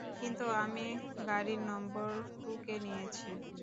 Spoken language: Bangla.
কিন্তু আমি গাড়ির নম্বর টুকে নিয়েছি।